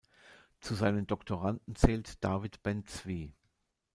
Zu seinen Doktoranden zählt David Ben-Zvi.